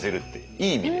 いい意味で。